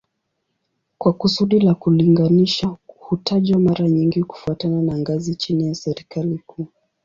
Kwa kusudi la kulinganisha hutajwa mara nyingi kufuatana na ngazi chini ya serikali kuu